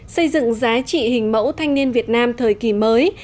xây dựng giá trị hình mẫu thanh niên việt nam thời kỳ mới